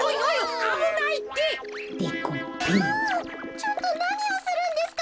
ちょっとなにをするんですか！？